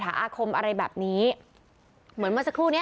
ทั้งหมดนี้คือลูกศิษย์ของพ่อปู่เรศรีนะคะ